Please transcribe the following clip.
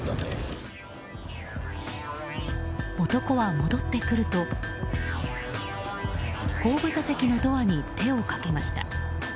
男は、戻ってくると後部座席のドアに手をかけました。